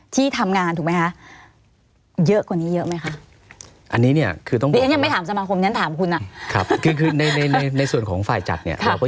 ที่ทำงานถูกไหมคะเยอะกว่านี้เยอะไหมคะ